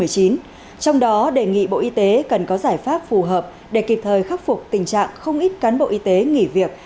trong đó đề nghị bộ y tế cần có giải pháp phù hợp để kịp thời khắc phục tình trạng không ít cán bộ y tế nghỉ việc